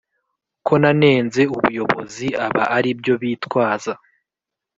ko nanenze ubuyobozi aba aribyo bitwaza